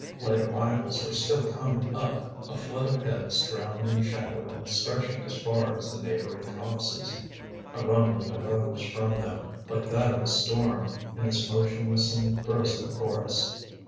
Late arrivals were still coming up, a flood of heads drowned in shadow and stretching as far as the neighbouring copses. A rumbling arose from them, like that of a storm, in this motionless and frozen forest.